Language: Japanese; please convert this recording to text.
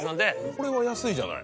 これは安いじゃない。